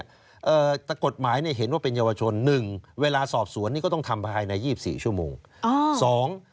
แต่กฎหมายเห็นว่าเป็นเยาวชน๑เวลาสอบสวนนี่ก็ต้องทำภายใน๒๔ชั่วโมง